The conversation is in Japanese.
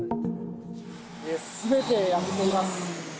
すべて焼けています。